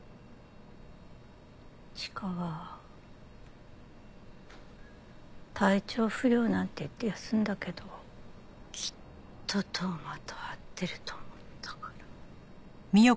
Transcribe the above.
チカは体調不良なんて言って休んだけどきっと当麻と会ってると思ったから。